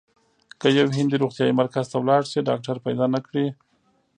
که یو هندی روغتیايي مرکز ته لاړ شي ډاکټر پیدا نه کړي.